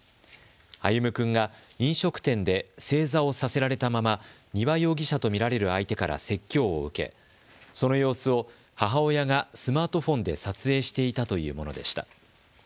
歩夢君が飲食店で正座をさせられたまま丹羽容疑者と見られる相手から説教を受けその様子を母親がスマートフォンで撮影していたというものでした。